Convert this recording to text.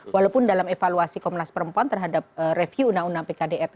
walaupun dalam evaluasi komnas perempuan terhadap review undang undang pkdrt